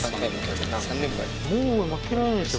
もう負けられないでしょ